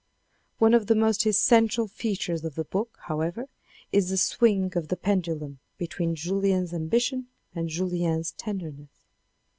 One of the most essential features of the book, how ever, is the swing of the pendulum between Julien's ambition and Julien's tenderness.